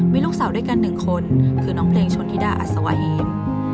มีลูกสาวด้วยกันหนึ่งคนคือน้องเพลงชนธิดาอัศวะเฮม